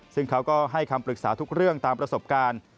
ซึ่งเขาก็ให้คำปรึกษาทุกเรื่องตามประสบการณ์